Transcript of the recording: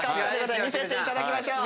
見せていただきましょう。